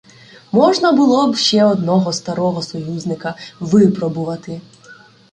Можна було б ще одного старого союзника випробувати.